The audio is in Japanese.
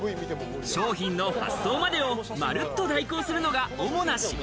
商品の発送までをまるっと代行するのが主な仕事。